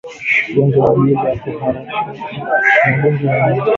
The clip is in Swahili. Magonjwa yenye dalili za Kuhangaika